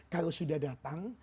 kalau sudah datang